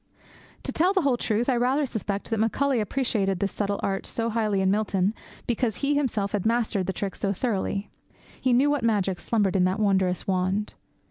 To tell the whole truth, I rather suspect that Macaulay appreciated this subtle art so highly in Milton because he himself had mastered the trick so thoroughly. He knew what magic slumbered in that wondrous wand.